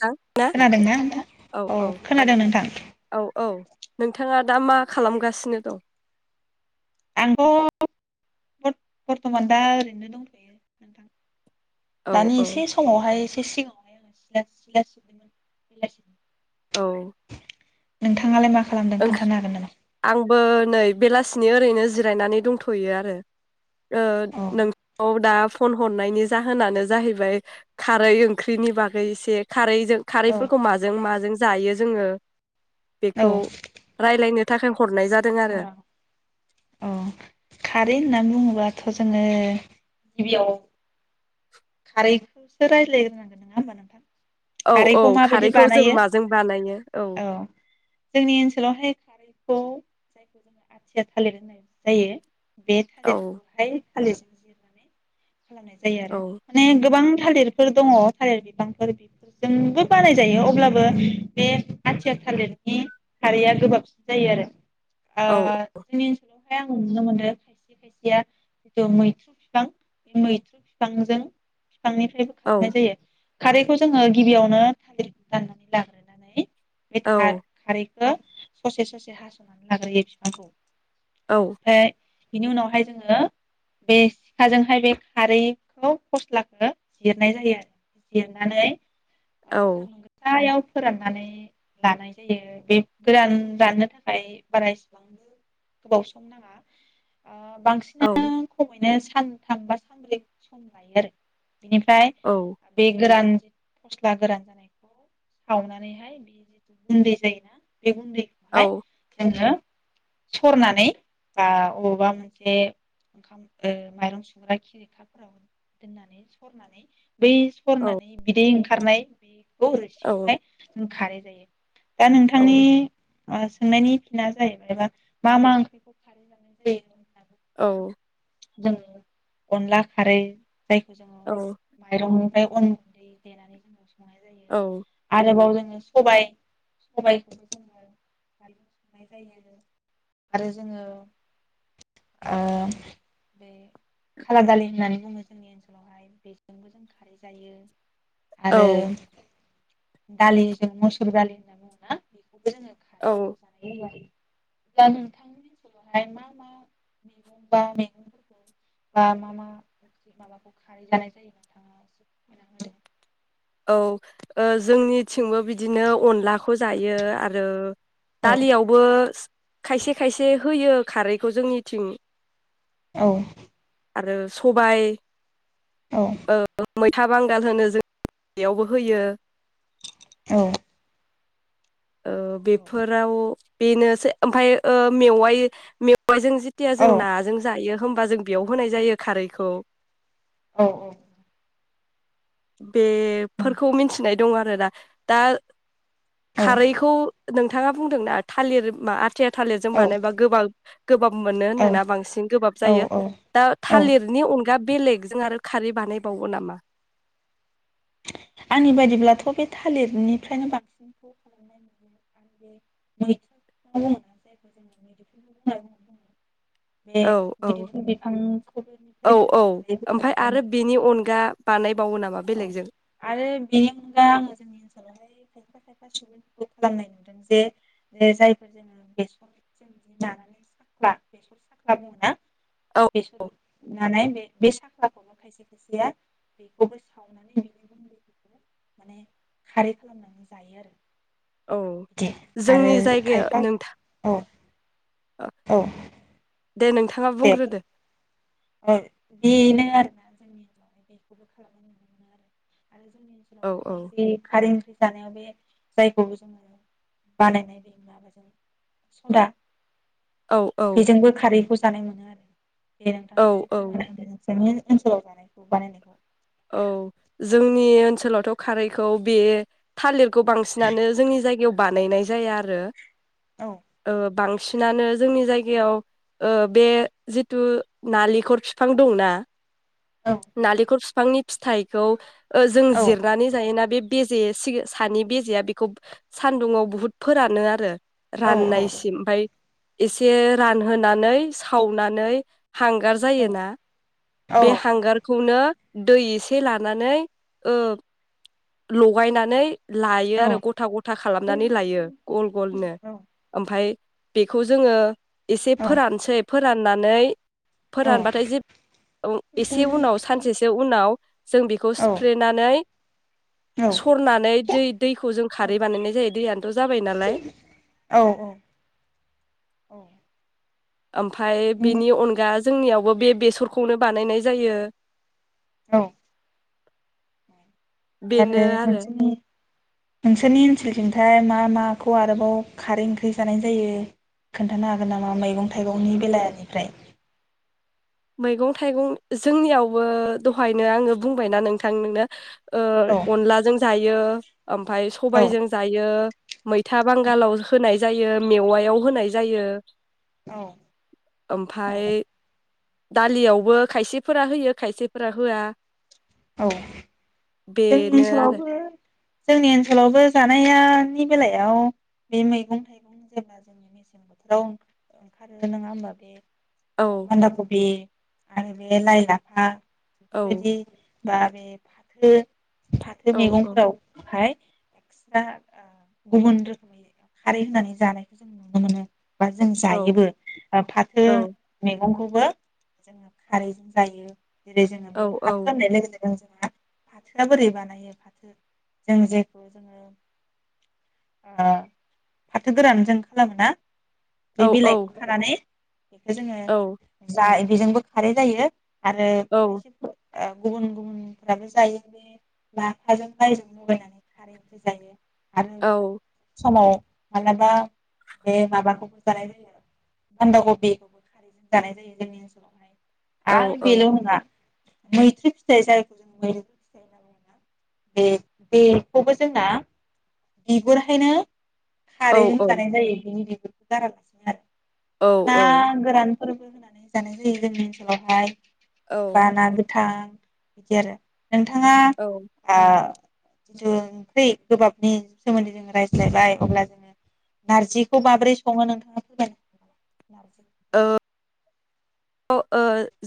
थां ना खोनादोंना नोंथां औ खोनादों नोंथां औ औ नोंथाङा दा मा खालामगासिनो दं? आंथ' बर्थमान दा ओरैनो दंथ'यो नोंथां औ दानि औ एसे समावहाय एसे सिगाङावहाय आङो सिला सिला सिबदोंमोन बेलासेनि औ नोंथाङालाय मा खालामदों खोन्थानो हागोन नामा? बो नै बेलासिनि ओरैनो जिरायनानै दंथयो आरो ओ नोंखौ दा फन हरनायनि जाहोनानो जाहैबाय खारै ओंख्रिनि बागै इसे खारै जों खारैफोरखौ माजों माजों जायो जोङो बेखौ रायलायनो थाखाय हरनाय जादों आरो । अ खारै होननानै बुङोबाथ' जोङो गिबियाव खारैखौसो रायज्लायग्रोनांगोन नङा होमबा नोंथां? औ औ खारैखौ जों माजों बानायो औ जोंनि ओनसोलावहाय खारैखौ जायखौ जोङो आथिया थालिर होननाय जायो । बे औ थालिरखौहाय थालिर खालामनाय जायो औ आरो माने गोबां थालिरफोर दङ थालिर बिबांफोर बेफोरजोंबो बानायजायो अब्लाबो बे आथिया थालिरनि खारैया गोबाबसिन जायो आरो । आ औ [unintelligible] ओमफ्राय आं नुनो मोनो खायसे खायसेया जिथु मैथ्रु बिफां बे मैथ्रु बिफांजों बिफांनिफ्रायबो खालामनाय जायो । खारैखौ जोङो गिबियावनो थालिरखौ दाननानै लाग्रोनानै बे थार औ खार ससे ससे हास'नानै लाग्रोयो बिफांखौ औ । ओमफ्राय बिनि उनावहाय जोङो बे सिखाजों ओमफ्राय बे खारैखौ फस्लाखौ जिरनाय जायो आरो जिरनानै ओ सान्दुं गोसायाव फोराननानै लानाय जायो बे गोरान राननो थाखाय बारा एसेबांबो गोबाव सम नाङा । बांसिना औ खमैनो सा आ [unintelligible] सानबा सानब्रै सम लायो आरो । बिनिफ्राय औ बे गोरान फस्ला गोरान जानायखौ सावनानैहाय बे जिथु गुन्दै जायोना । बे औ गुन्दैखौहाय जोङो सरनानै बा अबावबा मोनसे [unintelligible] खिरखाफोराव दोननानै सरनानै बै औ सरनानै बिदै ओं खारनाय बे औ औ रोसिखौहाय खारैजों जायो। दा नोंथांनि औ औ सोंनायनि फिना जाहैबायबा मा मा ओंख्रिखौ खारै जानाय जायो। औ। जों अनला खारै जायखौ जोङो औ माइरं ओमफ्राय गुन्दै देनानै जोङो सं जानाय जायो आरोबाव जों सबाइ सबाइखौबो जोङो खारैजों संनाय जायो आरो जोङो। ओ बे खाला दालि होननानै बुङो जोंनि ओनसोलावहाय बेजोंबो जों खारै जायो। औ आरो दालि जों मुसुर दालि होनना बुङोना। बेखौ जोङो खारै औ ओंख्रि जानाय दा नोंथांनि ओनसोलावहाय मा मा मैगं बा मैगंफोरखौ बा मा मा ओंख्रि माबाखौ खारै जानाय जायो नोंथाङा एसे फोरमायना होदो? औ ओ जोंनिथिंबो बिदिनो अनलाखौ जायो आरो दालियावबो खायसे खायसे होयो। खारैखौ जोंनिथिं औ। आरो सबाइ औ। मैथा बांगाल होनो जोंयावबो होयो। औ। ओ बेफोराव बेनोसै ओयफ्राय ओ मेवाइ मेव मेवाइजों जेथिया जों नाजों जायो। होनबा जों बेयाव होनाय जायो खारैखौ औ औ। बेफोरखौ मिथिनाय दं आरो दा दा औ खारैखौ। नोंथाङा बुंदोंना थालिर मा आथिया थालिरजों बानायोबा गोबां गोबाब मोनो औ होनोना बांसिन गोबाब औ जायो औ दा औ थालिरनि उन गाब बेलेगजों आरो खारै बानायबावो नामा? आंनि बायदिब्लाथ' बे थालिरनिफ्रायनो बांसिनखौ खालामनाय [unintelligible] औ औ औ औ ओमफ्राय आरो बिनि अनगा बानाय औ आरो बे दा आङो जोंनि ओनसोलावहाय खायफा खाय फा सुबुंफोरखौ खालामनाय नुदों जे जायफोर जोङो बेसर जों लानानै साख्ला बेसर साख्ला बुङो ना औ बेसर फुनानै बे बे साख्लाखौनो खायसे खायसेया बे खौबो सावनानै बिनि गुन्दैफोरखौ माने खारै खालामनानै जायो आरो औ जोंनि जायगाया नोंथा औ दे नोंथाङा बुंग्रोदो बेनो आरोना जोंनिनाव बेखौबो खालामनाय नुनो [unintelligible] आरो जोंनि औ ओनसोलावहाय औ बे खारै ओंख्रै जानायाव बे जायखौ जोङो बानायनाय जायो माबाजों सदा औ औ बेजोंबो खारैखौ जानाय मोनो आरो दे औ नोंथाङा एसे औ फोरमायना‌ होदो नोंनि ओनसोलाव जानायखौ बानायनायखौ औ जोंनि ओनसोलावथ' खारैखौ बे थालिर खौ बांसिनानो जोंनि जायगायाव बानायनाय जाया आरो औ ओ बां सिनानो जोंनि जायगायाव ओ बे जिथु नालिखर फिफां दंना नालिखर फि फांनि फिथाइखौ जों औ जिरनानै जायोना बे बेेजे सिं सानि बेजेआ बेखौ सान्दुङाव बुहुद फोरानो आरो औ राननायसिम ओमफाय एसे रानहोनानै सावनानै हांगार जायोना औ बे हांगारखौनो दै एसे लानानै ओ लगायनानै लायो औ आरो गथा गथा खालामनानै लायो गल गलनो ओमफाय बेखौ जोङो एसे औ फोरानोसै फोर फोराननानै फोरानबाथाय जे एसे उनाव सानसे सि गाआव जों बेखौ औ औ सिफ्रेनानै सरनानै दै दैखौ जों खारै बानायनाय जायो दैयानोथ' जाबाय नालाय औ औ ओमफाय बिनि अनगा जोंनियावबो बे बेसरखौनो बानायनाय जायो औ आरो नोंसोरनि नोंसोरनि ओनसोलथिंथाय मा मा माखौ आरोबाव खारै ओंख्रि जानाय जायो खोन्थानो हागोन नामा मैगं थाइगंनि बेलनिफ्राय मैगं थाइगं जोंनियावबो दहायनो आंङो बुंबायना नोंथां नोंनो औ ओ अनलाजों जायो ओमफाय औ सबायजों जायो मैथा बांगालाव होनाय जायो मेवायाव होनाय जायो औ ओमफाय दालियावबो खायसेफोरा होयो खायसेफोरा होआ औ जोंनि बेनो आरो ओनसोलावबो जोंनि ओनसोलावबो जानाया नि बेलायाव बे मैगं थाइगं जेब्ला जोंनि मेसें बोथोराव ओंखारो नंङा होमबा बे औ बानदा कबि आरो बे लाइ लाफा औ बेफोरबायदि बा बे फाथो फाथो औ औ मैगंफोराव हाय एक्सरा गुबुन रोखोमै खारै होननानै जानायखौ जों नुनो मोनो बा जों औ जायोबो फाथो औ मैगंखौ बो जोंङो खारैजों जायो जेरै जोंङो औ बे फाथो होननाय लोगो लोगो [unintelligible] फाथोआ बोरै बानायो फाथो जों जेखौ जोंङो ओ फाथो गोरानजों खालामो ना औ बे बिलाइखौ खानानै बेखौ जोंङो औ जाय बेजोंबो खारै जायो । आरो औ खायसेखौ गुबुन गुबुनफ्राबो जायो बे लाफाजों लाायजों लगायनानै खारैबो जायो । औ समाव माब्लाबा बे माबाखौबो जानाय जायो बानदा कबि बेखौबो खारैजों जानाय जायो जोंनि ओनसोलावहाय । आरो औ बेल' नंङा मैथ्रु फिथाइ जायखौ जों मैदेर फिथाइ होनोना बुंयो ना? बे बेखौबो जोंना बिगुराहायनो खारैजों जानाय जायो बिनि [unintelligible] ना औ गोरान फोरबो होनानै जानाय जायो जोंनि ओनसोलावहाय औ । बा ना था बिदि आरो । नोंथाङा ओ [unintelligible] नि सोमोन्दै जोङो रायज्लायबाय अब्ला जोङो नारजिखौ माबोरै सङो नोंथाङा फैबायानो नारजि ओ ओ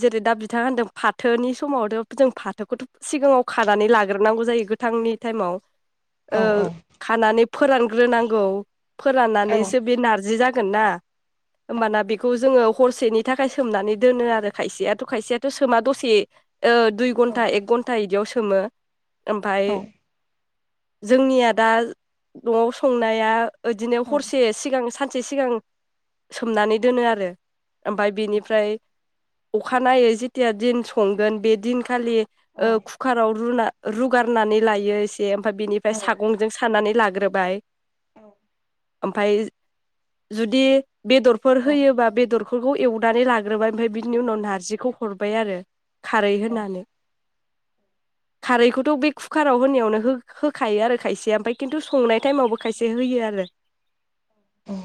जेरै दा बिथाङा होनदों फाथोनि समाव' जों फाथोखौथ' सिगाङाव खानानै लाग्रोनांगौ जायो गोथांनि टाइमाव । औ ओ औ खानानै फोरानग्रोनांगौ फोराननानैसो बे नारजि जा गोन ना होमबाना बेखौ जोङो हरसेनि थाखाय सोमनानै दोनो आरो खायसेयाथ' खायसेयाथ' सोमा दसे दुइ घनटा एक घनटा इदियाव सो सोमो ओमफाय जोंनिया दा न'आव संनाया ओदिनो औ हरसे सिगां सान से सिगां सोमनानै दोनो आरो ओमफ्राय बेनि फ्राय अखानायै जेथिया दिन संगोन बे दिनखालि ओ औ कुकाराव रुना रुगारनानै लायो । दे ओमफ्राय बिनिफ्राय सागंजों सारानानै ला ग्रोबाय औ ओमफाय जुदि बेदरफोर होयोबा बेदर फोरखौ एव नानै लाग्रोबाय ओमफ्राय बिनि उनाव नारजिखौ हरबाय आरो खारै होनानै खारैखौथ' बे कुकाराव होनायावनो हो होखायो आरो खायसे ओमफ्राय खिन्थु संनाय टाइमावबो खायसे होयो आरो औ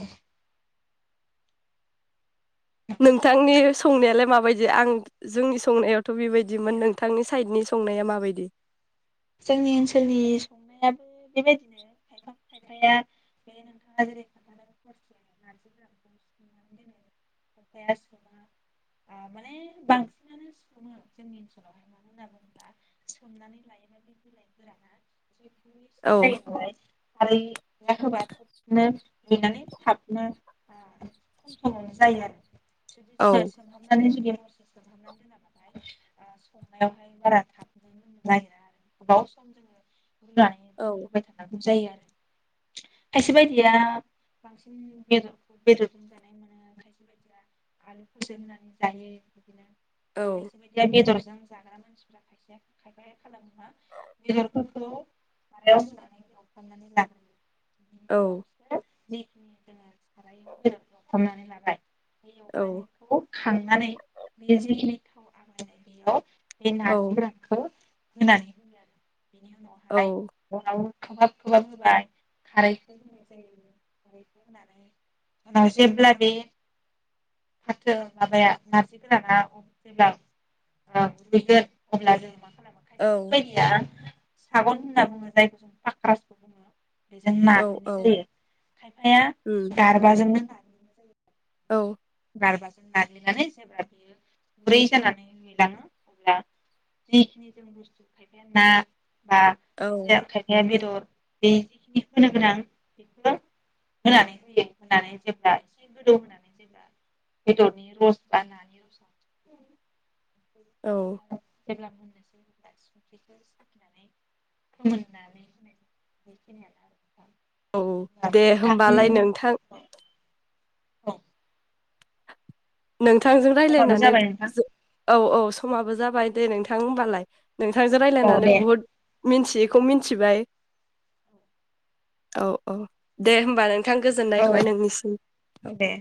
नोंथांनि संनायालाय माबायदि आं जोंनि संनायावथ' बेबायदिमोन नोंथांनि साइडनि संनाया माबायदि जोंनि ओनसोलनि संनायाबो बेबायदिनो खायफा खायफाया बे नोंथाङा जेरै खोनथादों [unintelligible] नारजिगोरानखौ सोमनानै दोनो खायफाया सोमा माने बांसिनानो सोमो जोंनि ओनसोलावहाय मानो होनना बुङोब्ला सोमनानै लायो ओमफाय बे बिलाइ गोराना [unintelligible] गुरैसिन औ जायो नालाय खारैया होबा थबनो रूयनानै थाबनो खम समावनो जायो आरो जुदि औ जोङो सोमहाबनानै जुदि हरसे सोमहाबनानै दोनाबाथाय ओ संनायावहाय बारा थाबनो मोननो नागिरा आरो गोबाव सम जोङो औ रूनानै [unintelligible] थानांगौ जायो आरो खायसे बायदिया बांसिन बेदरखौ बेदरजों जानाय मोनो आलु [unintelligible] जायो बिदिनो आ औ खायसे बायदिया बेदर जों जाग्रा मानसिफोरा खायसेया खायफाया खालामो मा बेदरफोरखौ सारायाव रूनानै एवफ्रामनानै लाग्रोयो जिखिनि जोङो सारायाव बेदर एवफ्रामनानै लाबाय बे औ एवफ्रानायखौ खांनानै बे जिखिनि थाव आग्लायनाय बेयाव बे औ नारजि गोरानखौ होनानै होयो आरो बिनि उनावहाय औ उनाव खोबहाब खोबहाब होबाय खारैखौ होनाय जायो खारैखौ होनानै उनाव जेब्ला बे फाथो माबाया नारजि गोराना जेब्ला ओ रूयगोन अब्ला जों मा खालामो औ खायसे बायदिया सागन होनना बुङो जायखौ जों फाक्रासबो बुङो बेजों औ नाग्लिनाय औ जायो खायफाया उम गारबाजोंनो ना औ गारबाजों नाग्लिनानै जेब्ला बियो गुरै जानानै रूयलाङो अब्ला जिखिनि जों बुस्थु खायफाया ना बा औ खायसे खायफाया बेदर बे जिखिनि होनो गोनां बेखौ होनानै होयो होनानै जेब्ला एसे गोदौ होनानै जेब्ला बेदरनि रस बा नानि रसा औ जेब्ला मोननोसै अब्ला संख्रिखौ साखिनानै फोमोननानै होनाय जायो बेखिनियानो आरो औ दे होमबालाय नोंथां औ नोंथांजों रायलायनानै जो औ औ समाबो जाबाय दे नोंथां होमबालाय नोंथांजों औ रायलायनानै दे बुहुद मिनथियैखौ मिनथिबाय औ औ दे होमबा नों थां गोजोननाय औ थाबाय नोंनिसिम औ दे